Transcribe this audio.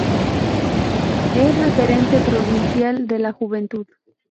Es referente provincial de la juventud.